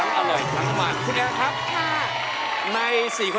ทั้งอร่อยทั้งหวานคุณแอนน์ครับค่ะ